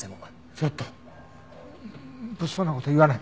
ちょっと物騒な事を言わない。